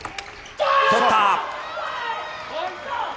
取った。